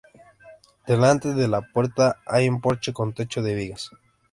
Delante de la puerta hay un porche con techo de vigas.